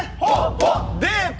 デート。